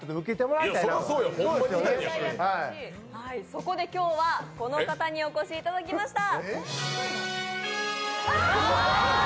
そこで今日はこの方にお越しいただきました。